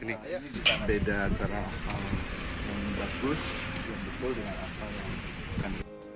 ini beda antara yang bagus yang betul dengan apa